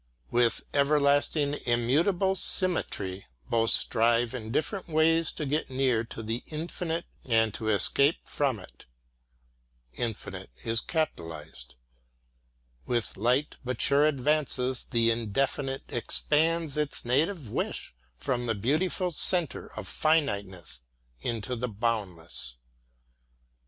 With everlasting immutable symmetry both strive in different ways to get near to the Infinite and to escape from it. With light but sure advances the Indefinite expands its native wish from the beautiful centre of Finiteness into the boundless.